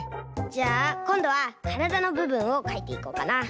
じゃあこんどはからだのぶぶんをかいていこうかな。